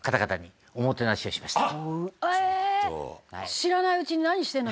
知らないうちに何してるの？